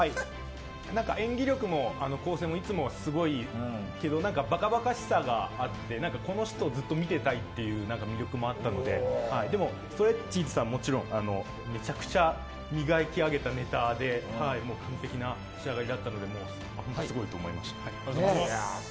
演技力も構成もいつもすごいけどばかばかしさがあってこの人をずっと見ていたい魅力もあったのででもストレッチーズさん、もちろんめちゃくちゃ磨き上げたネタで完璧な仕上がりだったのでほんと、すごいと思いました。